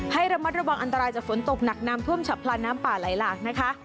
ให้ระมัดระวังอันตรายจากฝนตกหนักน้ำท่วมฉับพลันน้ำป่าไหลหลากนะคะ